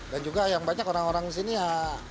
dan juga yang banyak orang orang di sini ya